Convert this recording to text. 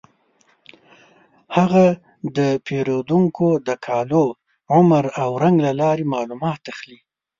هغه د پیریدونکو د کالو، عمر او رنګ له لارې معلومات اخلي.